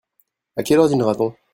À quelle heure dînera-t-on ?